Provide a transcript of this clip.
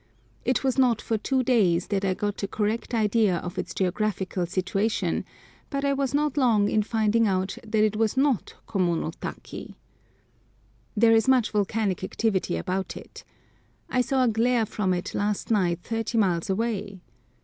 It was not for two days that I got a correct idea of its geographical situation, but I was not long in finding out that it was not Komono taki! There is much volcanic activity about it. I saw a glare from it last night thirty miles away.